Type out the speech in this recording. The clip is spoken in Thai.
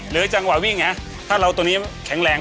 หรือจังหวะวิ่งแบบนี้ถ้าเราตัวนี่แข็งแรง